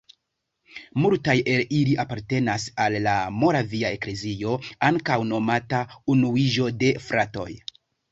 Multaj el ili apartenas al la "Moravia Eklezio", ankaŭ nomata Unuiĝo de fratoj.